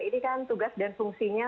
ini kan tugas dan fungsinya